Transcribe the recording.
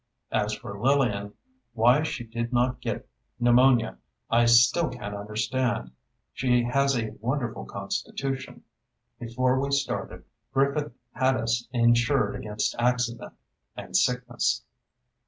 As for Lillian, why she did not get pneumonia, I still can't understand. She has a wonderful constitution. Before we started, Griffith had us insured against accident, and sickness.